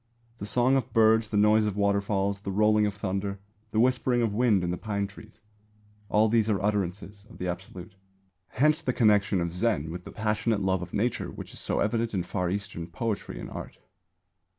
The songs of birds, the noise of waterfalls, the rolling of thunder, the whispering of wind in the pine trees all these are utterances of the Absolute. Hence the connection of Zen with the passionate love of Nature which is so evident in Far Eastern poetry and art.